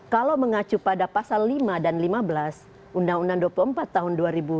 kalau mengacu pada pasal lima dan lima belas undang undang dua puluh empat tahun dua ribu dua